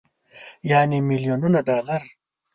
يعنې ميليونونه ډالر.